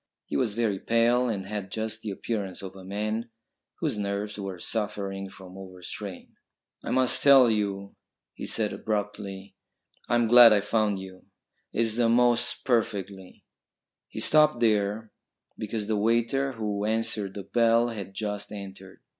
He was very pale and had just the appearance of a man whose nerves were suffering from over strain. "I must tell you," he said abruptly. "I'm glad I found you. It's the most perfectly " He stopped there because the waiter who answered the bell had just entered.